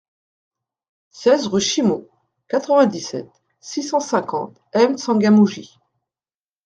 seize rue Chimo, quatre-vingt-dix-sept, six cent cinquante, M'Tsangamouji